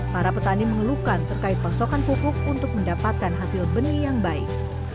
para petani mengeluhkan terkait pasokan pupuk untuk mendapatkan hasil benih yang baik